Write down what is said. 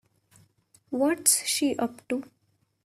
What's she up to?